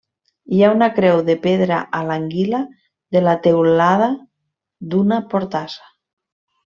Hi ha una creu de pedra a l'anguila de la teulada d'una portassa.